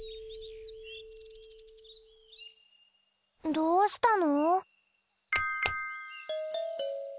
どうしたの？